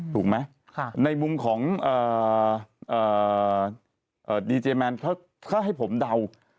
ถูกไหมในมุมของดีเจแมนถ้าให้ผมเดา